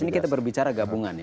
ini kita berbicara gabungan ya